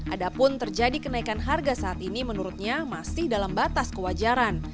adapun terjadi kenaikan harga saat ini menurutnya masih dalam batas kewajaran